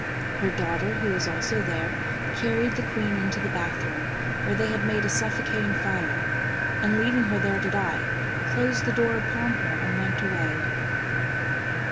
Her daughter, who was also there, carried the queen into the bath room, where they had made a suffocating fire, and leaving her there to die, closed the door upon her and went away.